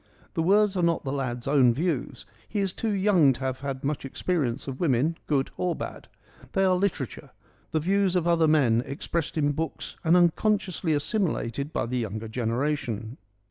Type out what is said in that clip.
The words are not the lad's own views : he is too young to have had much experience of women, good or bad : they are literature, the views of other men expressed in books and unconsciously assimilated by the younger generation.